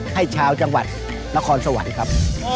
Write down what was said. ให้ชาวจังหวัดนครสวรรค์ครับ